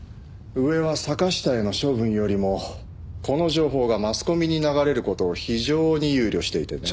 上は坂下への処分よりもこの情報がマスコミに流れる事を非常に憂慮していてね。